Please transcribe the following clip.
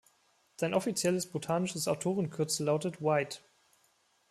Sein offizielles botanisches Autorenkürzel lautet „Wight“.